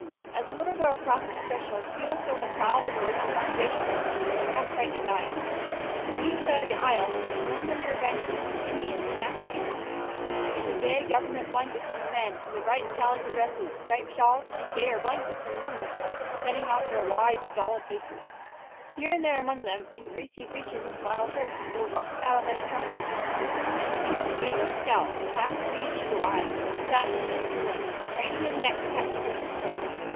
As the little girl crossed the threshold, she looked on the crowded, waiting congregation with eager, half frightened eyes. On each side of the aisle, filling the rear benches, were Indians and half breeds, the gay government blankets of the men and the bright calico dresses, striped shawls, and gayer blankets of the women setting off their wide, stolid faces; here and there among them, in greasy breeches and flannel shirts, were rough cattlemen and trappers; and the troop's famous scout, the half breed Eagle Eye, sat in the midst of them, craning his neck to catch a glimpse of her.